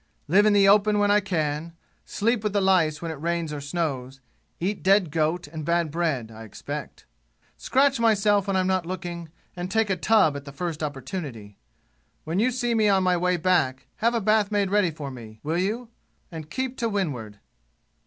Live in the open when I can, sleep with the lice when it rains or snows, eat dead goat and bad bread, I expect; scratch myself when I'm not looking, and take a tub at the first opportunity. When you see me on my way back, have a bath made ready for me, will you and keep to windward!"